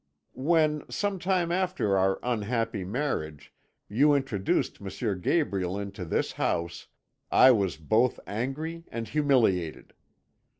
"'When, some time after our unhappy marriage, you introduced M. Gabriel into this house, I was both angry and humiliated.